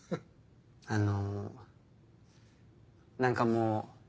あの何かもう。